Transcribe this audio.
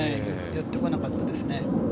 寄ってこなかったですね。